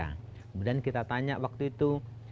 kemudian kita tanya waktu itu